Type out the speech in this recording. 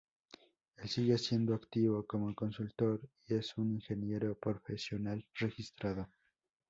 Él sigue siendo activo como consultor y es un ingeniero profesional registrado.